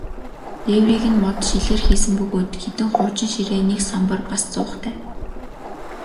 Дээврийг нь мод, шилээр хийсэн бөгөөд хэдэн хуучин ширээ, нэг самбар, бас зуухтай.